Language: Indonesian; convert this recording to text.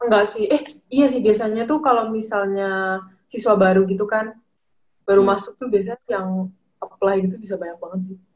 gak sih eh iya sih biasanya tuh kalau misalnya siswa baru gitu kan baru masuk tuh biasanya yang upply gitu bisa banyak banget sih